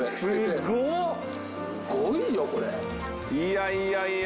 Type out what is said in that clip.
いやいやいや。